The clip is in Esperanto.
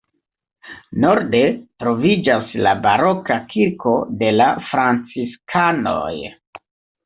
Norde troviĝas la baroka kirko de la franciskanoj.